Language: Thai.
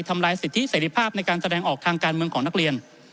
ลายสิทธิเสรีภาพในการแสดงออกทางการเมืองของนักเรียน